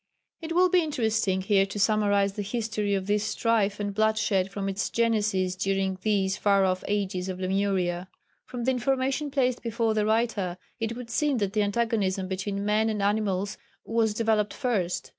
It will be interesting here to summarise the history of this strife and bloodshed from its genesis during these far off ages on Lemuria. From the information placed before the writer it would seem that the antagonism between men and animals was developed first.